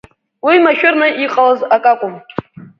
Уи машәырны иҟалаз акакәым.